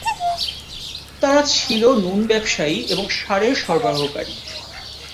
তারা ছিল নুন ব্যবসায়ী এবং ষাঁড়ের সরবরাহকারী।